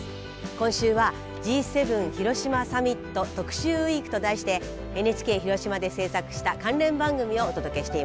今週は「Ｇ７広島サミット特集ウイーク」と題してＮＨＫ広島で制作した関連番組をお届けしています。